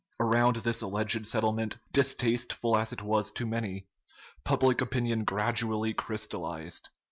Around this alleged settlement, distasteful as it was to many, public opinion gradually crystallized.